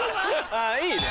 あぁいいね。